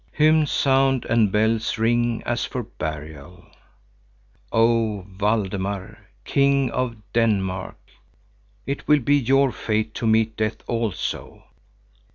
Hymns sound and bells ring as for a burial. Oh Valdemar, King of Denmark, it will be your fate to meet death also.